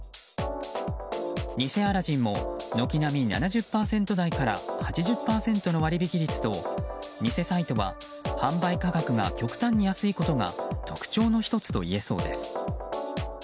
偽アラジンも軒並み７０％台から８０％の割引率と偽サイトは販売価格が極端に安いことが特徴の１つと言えそうです。